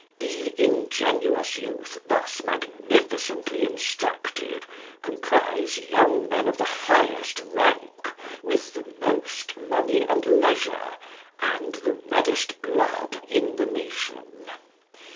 The ingenuous youth thus magnificently instructed comprise young men of the highest rank, with the most money and leisure and the reddest blood in the nation.